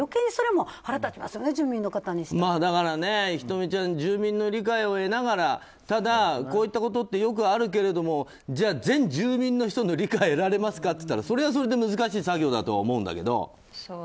それが余計に住民の方ｈｉｔｏｍｉちゃん住民の理解を得ながらただ、こういったことってよくあるけれどもじゃあ、全住民の人の理解を得られますかっていったらそれはそれで難しい作業だと思うんだけど。